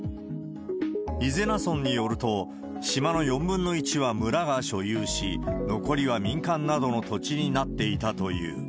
伊是名村によると、島の４分の１は村が所有し、残りは民間などの土地になっていたという。